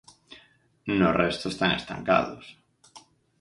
No resto están estancados.